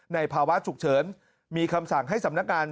ภาวะฉุกเฉินมีคำสั่งให้สำนักงาน